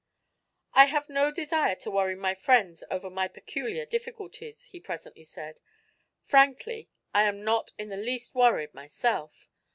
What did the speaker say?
"I have no desire to worry my friends over my peculiar difficulties," he presently said. "Frankly, I am not in the least worried myself.